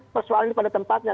persoalan ini pada tempatnya